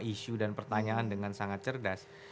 isu dan pertanyaan dengan sangat cerdas